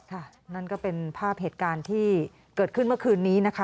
นั่นก็เป็นภาพเหตุการณ์ที่เกิดขึ้นเมื่อคืนนี้นะคะ